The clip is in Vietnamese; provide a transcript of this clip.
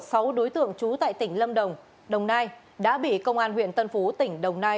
sáu đối tượng trú tại tỉnh lâm đồng đồng nai đã bị công an huyện tân phú tỉnh đồng nai